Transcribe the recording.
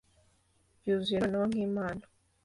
byuzuye noneho nkimana